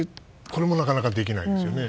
これもなかなかできないですよね。